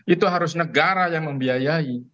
itu harus negara yang membiayai